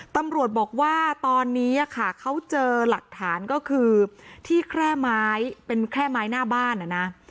ตำรวจบอกว่าตอนนี้ค่ะเขาเจอหลักฐานก็คือที่แคร่ไม้เป็นแค่ไม้หน้าบ้านนะ